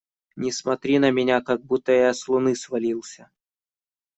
Не смотри на меня, как будто я с Луны свалился!